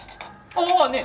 ああっねえ！